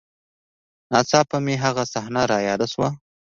نا څاپه مې هغه صحنه راياده سوه.